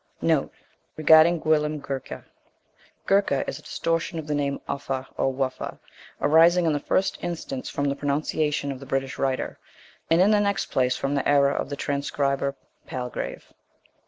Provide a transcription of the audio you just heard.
* Guercha is a distortion of the name of Uffa, or Wuffa, arising in the first instance from the pronunciation of the British writer; and in the next place from the error of the transcriber Palgrave.